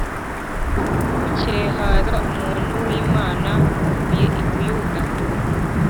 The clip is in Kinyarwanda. Bukeye haza umuntu w’Imana avuye i Buyuda